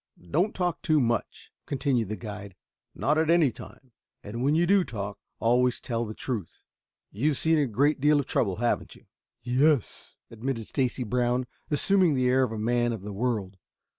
"Don't talk too much," continued the guide, "not at any time, and when you do talk always tell the truth. You've seen a great deal of trouble, haven't you?" "Yes," admitted Stacy Brown, assuming the air of a man of the world.